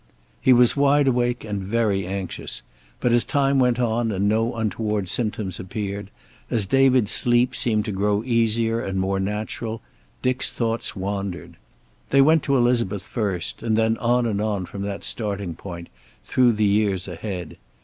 He was wide awake and very anxious, but as time went on and no untoward symptoms appeared, as David's sleep seemed to grow easier and more natural, Dick's thoughts wandered. They went to Elizabeth first, and then on and on from that starting point, through the years ahead.